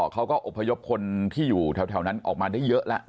เขาก็อบพยพคนที่อยู่แถวนั้นออกมาได้เยอะแล้ว